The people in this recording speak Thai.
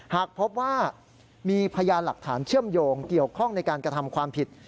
หากพบว่ามีพยานหลักฐานเชื่อมโยงเกี่ยวข้องในการกระทำความผิด